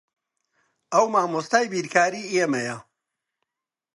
ئەو مامۆستای بیرکاریی ئێمەیە.